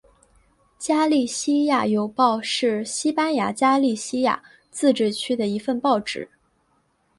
加利西亚邮报是西班牙加利西亚自治区的一份报纸。